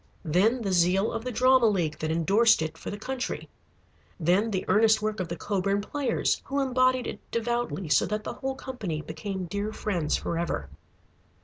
Then the zeal of the Drama League that indorsed it for the country. Then the earnest work of the Coburn Players who embodied it devoutly, so that the whole company became dear friends forever.